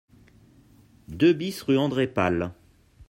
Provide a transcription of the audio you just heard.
deux BIS rue André Pal